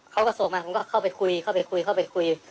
เขาก็ส่งมาผมก็เข้าไปคุยเข้าไปคุยเข้าไปคุย